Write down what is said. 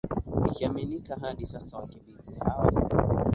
ikiaminika hadi sasa wakimbizi hawa